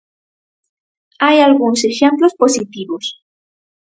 Hai algúns exemplos positivos.